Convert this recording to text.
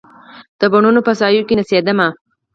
د بڼوڼو په سایو کې نڅېدمه